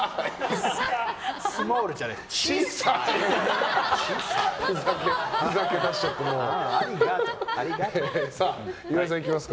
スモールじゃないです。